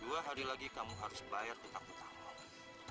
dua hari lagi kamu harus bayar hutang hutangmu